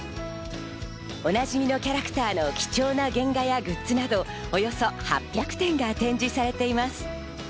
お馴染みのキャラクターの貴重な原画やグッズなどおよそ８００点が展示されています。